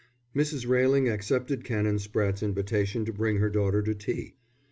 XII Mrs. Railing accepted Canon Spratte's invitation to bring her daughter to tea.